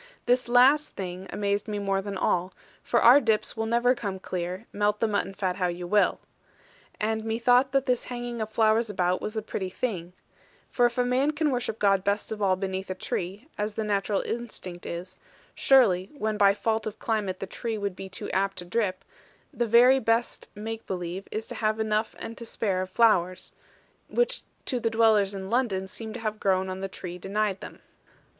This last thing amazed me more than all, for our dips never will come clear, melt the mutton fat how you will. And methought that this hanging of flowers about was a pretty thing; for if a man can worship God best of all beneath a tree, as the natural instinct is, surely when by fault of climate the tree would be too apt to drip, the very best make believe is to have enough and to spare of flowers; which to the dwellers in London seem to have grown on the tree denied them.